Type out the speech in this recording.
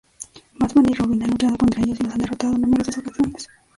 Batman y Robin han luchado contra ellos y los han derrotado en numerosas ocasiones.